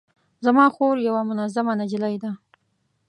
زما خور یوه منظمه نجلۍ ده